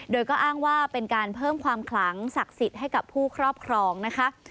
โดยก็อ้างว่าเป็นการเพิ่มความขลังศักดิ์สิทธิ์ให้กับผู้ครอบครองนะคะ